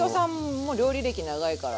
もう料理歴長いから。